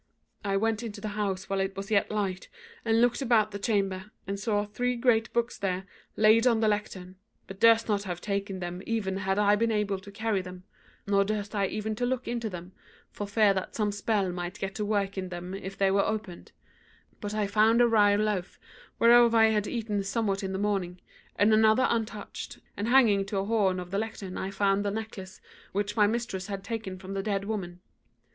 I went into the house while it was yet light, and looked about the chamber, and saw three great books there laid on the lectern, but durst not have taken them even had I been able to carry them; nor durst I even to look into them, for fear that some spell might get to work in them if they were opened; but I found a rye loaf whereof I had eaten somewhat in the morning, and another untouched, and hanging to a horn of the lectern I found the necklace which my mistress had taken from the dead woman.